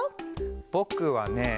ぼくはね